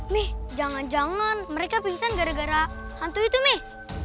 nih jangan jangan mereka pingsan gara gara hantu itu nih